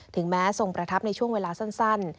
ถึงแม้ทรงประทับในช่วงเวลาสั้น